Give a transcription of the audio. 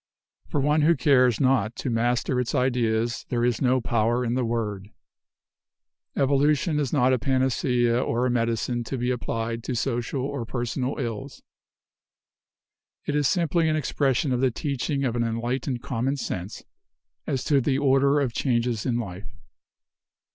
For one who cares not to master its ideas there is no power in the word. Evolution is not a panacea or a medicine to be applied to social or personal ills. It is simply an expression of the teaching of enlightened common sense as to the order of changes in life.